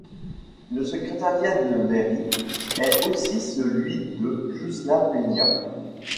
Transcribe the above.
Le secrétaire de mairie est aussi celui de Juslapeña.